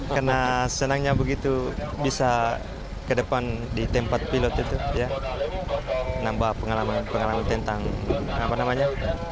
karena senangnya begitu bisa ke depan di tempat pilot itu nambah pengalaman tentang apa namanya